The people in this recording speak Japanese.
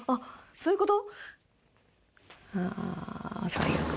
そういうこと？